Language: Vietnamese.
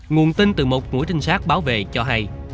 nguồn tin từ một ngũi trinh sát báo về cho hay